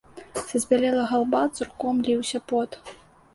Са збялелага лба цурком ліўся пот.